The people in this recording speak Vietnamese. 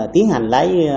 tiến hành lấy